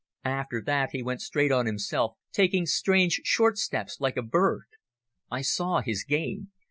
After that he went straight on himself, taking strange short steps like a bird. I saw his game.